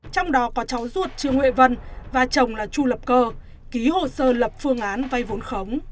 trong đó có cháu ruột trương huệ vân và chồng là chu lập cơ ký hồ sơ lập phương án vay vốn khống